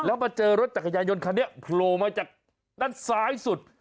แล้วมาเจอรถจักรยานยนต์คันนี้โผล่มาจากด้านซ้ายสุด